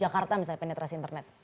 jakarta misalnya penetrasi internet